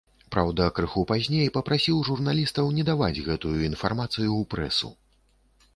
Праўда, крыху пазней папрасіў журналістаў не даваць гэтую інфармацыю ў прэсу.